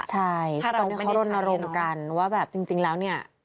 ใช่ก็ต้องเขารณรงค์กันว่าแบบจริงแล้วเนี่ย